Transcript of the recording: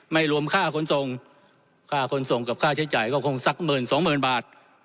รวมค่าขนส่งค่าขนส่งกับค่าใช้จ่ายก็คงสักหมื่นสองหมื่นบาท